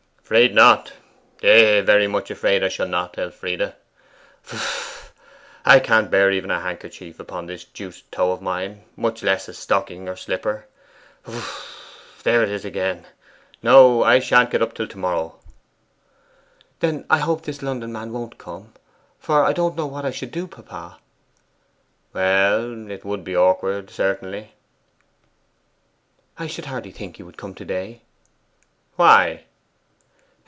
'Afraid not eh hh! very much afraid I shall not, Elfride. Piph ph ph! I can't bear even a handkerchief upon this deuced toe of mine, much less a stocking or slipper piph ph ph! There 'tis again! No, I shan't get up till to morrow.' 'Then I hope this London man won't come; for I don't know what I should do, papa.' 'Well, it would be awkward, certainly.' 'I should hardly think he would come to day.' 'Why?